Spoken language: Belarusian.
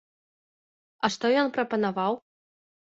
А што ён прапанаваў?